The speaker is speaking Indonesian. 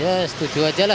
ya setuju aja lah